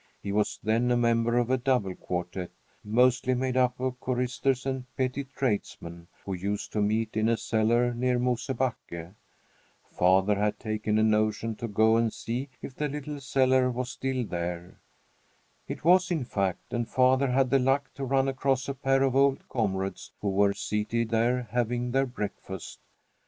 He was then a member of a double quartette, mostly made up of choristers and petty tradesmen, who used to meet in a cellar near Mosebacke. Father had taken a notion to go and see if the little cellar was still there. It was, in fact, and father had the luck to run across a pair of old comrades who were seated there having their breakfast.